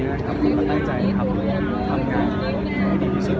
ผมว่าจนผมอ่ะณตอนนี้หัวใจใจทำงานดีที่สุด